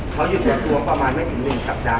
เขาอยู่ในตัวประมาณไม่ถึง๑สัปดาห